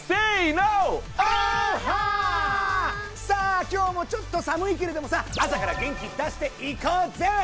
さあ今日もちょっと寒いけれどもさ朝から元気出していこうぜ。